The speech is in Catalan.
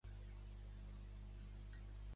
No, Fabrizio, no.